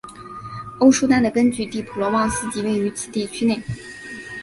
欧舒丹的根据地普罗旺斯即位于此地区内。